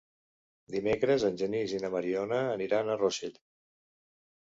Dimecres en Genís i na Mariona aniran a Rossell.